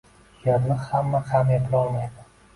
«Yerni hamma ham eplolmaydi».